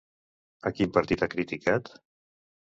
A quin partit ha criticat?